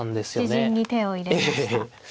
自陣に手を入れました。